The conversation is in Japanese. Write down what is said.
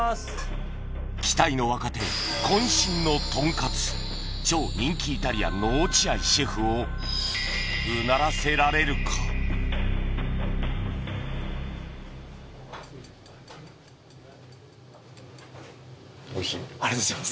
期待の若手こん身のトンカツ超人気イタリアンの落合シェフをありがとうございます。